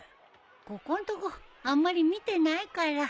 ここんとこあんまり見てないから。